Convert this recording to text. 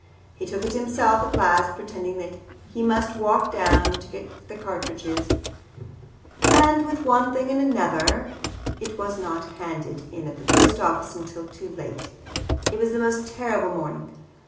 He took it himself at last, pretending that he must walk down to get cartridges, and, what with one thing and the other, it was not handed in at the Post Office until too late. It was the most terrible morning.